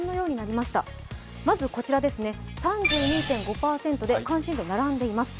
まず、３２．５％で関心度、並んでいます。